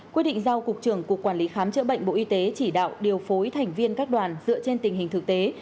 quyết định giao cục trưởng cục quản lý khám chữa bệnh bộ y tế chỉ đạo điều phối thành viên các đoàn dựa trên tình hình thực tế